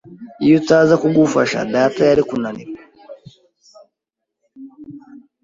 Iyo utaza kugufasha, data yari kunanirwa.